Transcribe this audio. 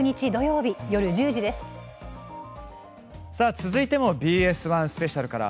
続いてもＢＳ１スペシャルから